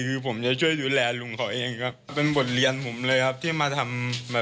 คือผมจะช่วยดูแลลุงเขาเองนะครับ